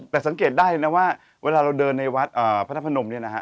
แต่สังเกตได้นะว่าเวลาเราเดินในวัดพระธรรมนมเนี่ยนะฮะ